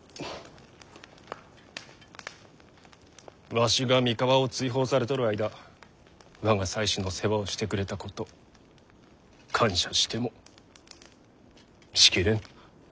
わしが三河を追放されとる間我が妻子の世話をしてくれたこと感謝してもし切れん。